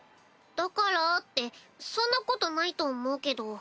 「だから」ってそんなことないと思うけど。